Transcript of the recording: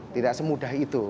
tidak semudah itu